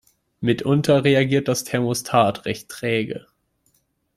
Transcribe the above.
Mitunter reagiert das Thermostat recht träge.